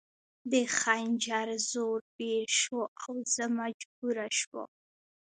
د خنجر زور ډېر شو او زه مجبوره شوم